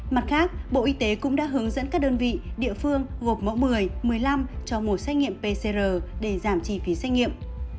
mặt khác bộ y tế cũng đã hướng dẫn các đơn vị địa phương gộp mẫu một mươi một mươi năm cho mổ xét nghiệm pcr để giảm chi phí xét nghiệm